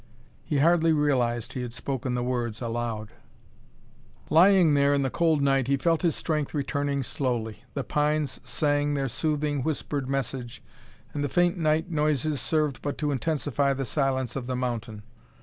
He hardly realized he had spoken the words aloud. Lying there in the cold night he felt his strength returning slowly. The pines sang their soothing, whispered message, and the faint night noises served but to intensify the silence of the mountain.